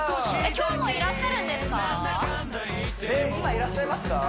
今いらっしゃいますか？